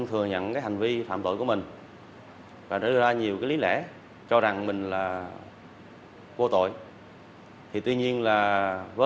trong thứ hai một lĩnh v faktiskt đây là một lĩnh v the targeted